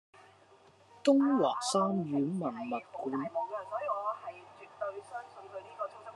東華三院文物館